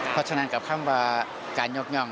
เพราะฉะนั้นกับคำว่าการยกย่อง